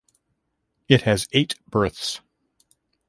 It has eight berths.